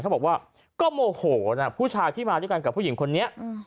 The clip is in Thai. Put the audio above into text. เขาบอกว่าก็โมโหนะผู้ชายที่มาด้วยกันกับผู้หญิงคนนี้